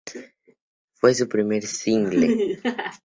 Fue su primer "single".